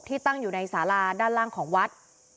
ตั้งอยู่ในสาราด้านล่างของวัด